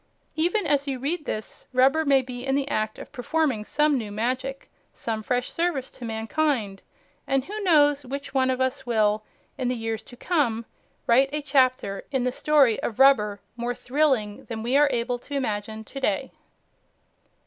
Even as you read this, rubber may be in the act of performing some new magic, some fresh service to mankind. And who knows which one of us will, in the years to come, write a chapter in the story of rubber more thrilling than we are able to imagine to day!